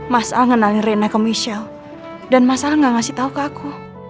mas al kenalin reyna ke michelle dan mas al gak ngasih tau ke aku